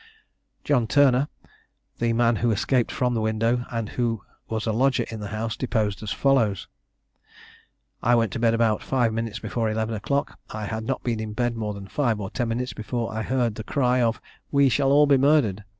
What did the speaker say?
John Turner, the man who escaped from the window, and who was a lodger in the house, deposed as follows: "I went to bed about five minutes before eleven o'clock; I had not been in bed more than five or ten minutes before I heard the cry of 'We shall all be murdered!'